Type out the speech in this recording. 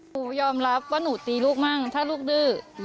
ยอมรับว่าหนูตีลูกมั่งถ้าลูกดื้อ